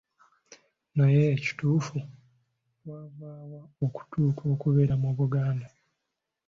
Naye ekituufu twavaawa okutuuka okubeera mu Buganda.